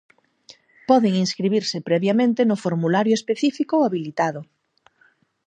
Poden inscribirse previamente no formulario específico habilitado.